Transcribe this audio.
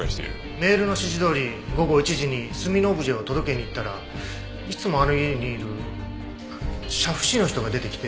メールの指示どおり午後１時に炭のオブジェを届けに行ったらいつもあの家にいる写譜師の人が出てきて。